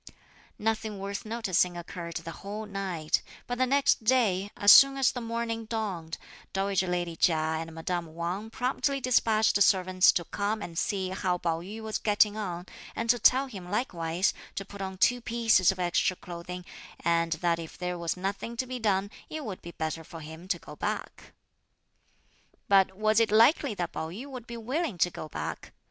Nothing worth noticing occurred the whole night; but the next day, as soon as the morning dawned, dowager lady Chia and madame Wang promptly despatched servants to come and see how Pao yü was getting on; and to tell him likewise to put on two pieces of extra clothing, and that if there was nothing to be done it would be better for him to go back. But was it likely that Pao yü would be willing to go back?